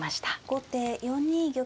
後手４二玉。